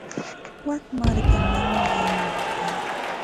Wik markamanmi aywaykaa.